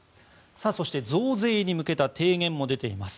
そして、増税に向けた提言も出ています。